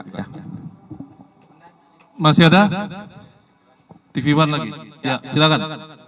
tv one lagi ya silakan